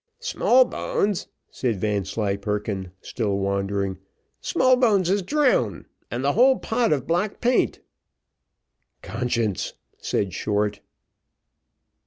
"Smallbones!" said Vanslyperken, still wandering. "Smallbones is drowned and the whole pot of black paint." "Conscience," said Short.